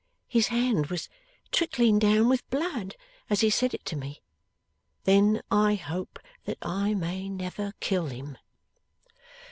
His hand was trickling down with blood as he said to me, "Then I hope that I may never kill him!